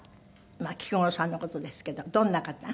菊五郎さんの事ですけどどんな方？